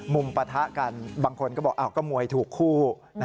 ปะทะกันบางคนก็บอกก็มวยถูกคู่